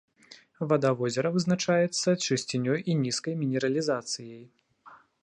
Вада возера вызначаецца чысцінёй і нізкай мінералізацыяй.